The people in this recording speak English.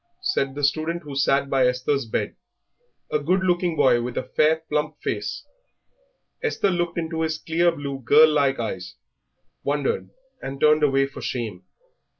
said the student who sat by Esther's bed, a good looking boy with a fair, plump face. Esther looked into his clear blue, girl like eyes, wondered, and turned away for shame.